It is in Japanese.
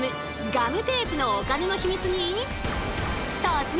ガムテープのお金のヒミツに突撃！